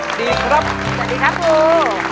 สวัสดีครับบู